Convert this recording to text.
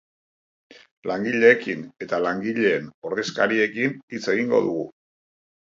Langileekin eta langileen ordezkariekin hitz egingo dugu.